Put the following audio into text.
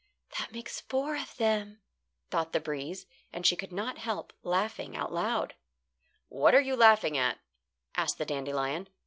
"That makes four of them," thought the breeze, and she could not help laughing out loud. "What are you laughing at?" asked the dandelion.